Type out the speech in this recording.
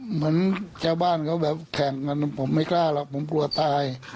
เหมือนชาวบ้านเขาแบบแข่งกันผมไม่กล้าหรอกผมกลัวตาย